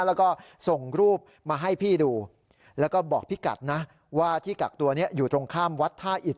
แล้วก็ส่งรูปมาให้พี่ดูแล้วก็บอกพี่กัดนะว่าที่กักตัวนี้อยู่ตรงข้ามวัดท่าอิต